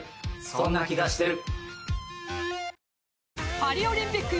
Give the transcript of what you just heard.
そんな気がしてる。